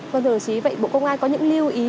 vâng thưa đồng chí vậy bộ công an có những lưu ý